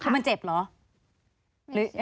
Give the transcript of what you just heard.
คือมันเจ็บเหรอ